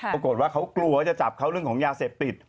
ปรากฏว่าเขากลัวจะจับเขาเรื่องของยาเสพติด